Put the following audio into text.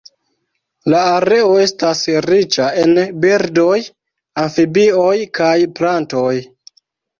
La areo estas riĉa en birdoj, amfibioj kaj plantoj.